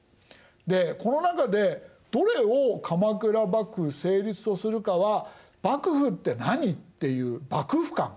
でこの中でどれを鎌倉幕府成立とするかは「幕府って何？」っていう幕府観。